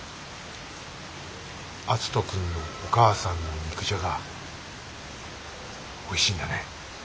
篤人君のお母さんの肉じゃがおいしいんだね。